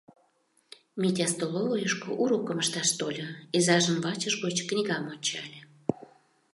Митя столовыйышко урокым ышташ тольо, изажын вачыж гоч книгам ончале.